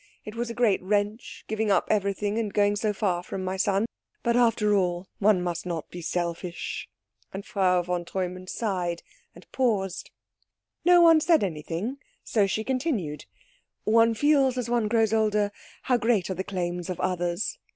It was a great wrench, giving up everything, and going so far from my son. But after all one must not be selfish." And Frau von Treumann sighed and paused. No one said anything, so she continued: "One feels, as one grows older, how great are the claims of others.